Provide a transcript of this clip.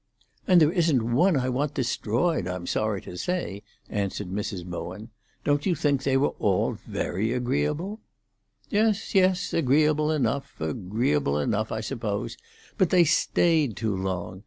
"And there isn't one I want destroyed, I'm sorry to say," answered Mrs. Bowen. "Don't you think they were all very agreeable?" "Yes, yes; agreeable enough—agreeable enough, I suppose. But they stayed too long.